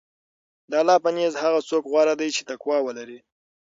د الله په نزد هغه څوک غوره دی چې تقوی ولري.